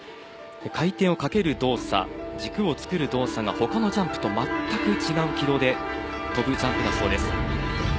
回転をかける動作軸を作る動作が他のジャンプとまったく違う軌道で跳ぶジャンプだそうです。